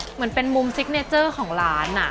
เหมือนเป็นมุมซิกเนเจอร์ของร้าน